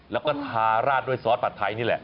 แล้วก็ทาราดด้วยซอสผัดไทยนี่แหละ